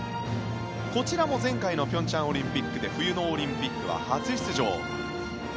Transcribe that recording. こちらも前回の平昌オリンピックで冬のオリンピックは初出場。